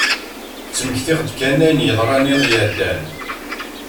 Ttmektiɣ-d kan ayen yeḍran iḍ iɛeddan.